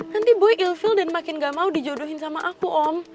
nanti boy ill feel dan makin gak mau dijodohin sama aku om